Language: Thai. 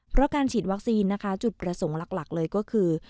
เพราะการฉีดวัคซีนนะคะจุดประสงค์หลักเลยก็คือ